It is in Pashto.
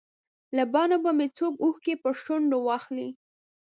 له بڼو به مې څوک اوښکې پر شونډه واخلي.